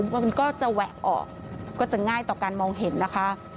มันก็จะแหวะออกก็จะง่ายต่อการมองเห็นนะคะ